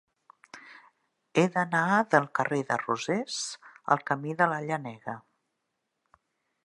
He d'anar del carrer de Rosés al camí de la Llenega.